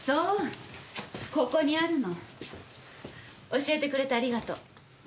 教えてくれてありがとう。